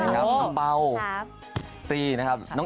น้องเป่าตี้นะครับ